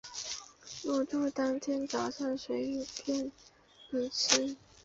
入住当天早餐就随便你吃